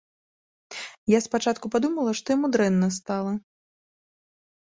Я спачатку падумала, што яму дрэнна стала.